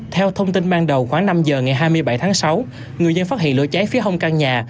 theo thông tin ban đầu khoảng năm giờ ngày hai mươi bảy tháng sáu người dân phát hiện lửa cháy phía hông căn nhà